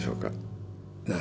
何？